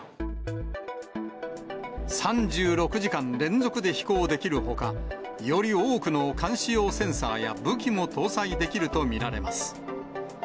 ３６時間連続で飛行できるほか、より多くの監視用センサーや武器も搭載できると見られます。